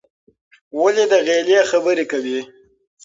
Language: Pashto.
ولې د غېلې خبرې کوې؟